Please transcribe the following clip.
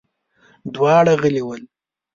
دواړه غلي ول.